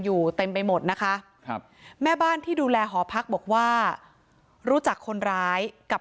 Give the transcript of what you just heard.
อยู่เต็มไปหมดนะคะครับแม่บ้านที่ดูแลหอพักบอกว่ารู้จักคนร้ายกับ